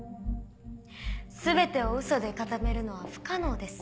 全てをウソで固めるのは不可能です。